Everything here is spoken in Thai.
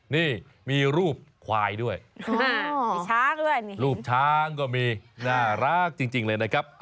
นี่มีรูปควายด้วยรูปช้างก็มีน่ารักจริงเลยนะครับ